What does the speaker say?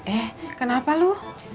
eh kenapa lu